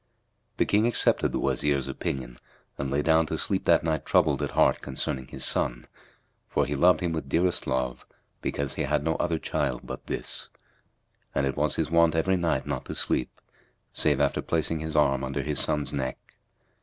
The King accepted the Wazir's opinion and lay down to sleep that night troubled at heart concerning his son; for he loved him with dearest love because he had no other child but this; and it was his wont every night not to sleep, save after placing his arm under his son's neck.